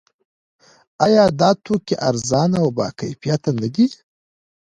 آیا دا توکي ارزانه او باکیفیته نه دي؟